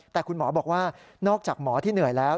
แต่คุณหมอบอกว่านอกจากหมอที่เหนื่อยแล้ว